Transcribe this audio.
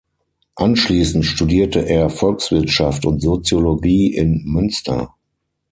Anschließend studierte er Volkswirtschaft und Soziologie in Münster.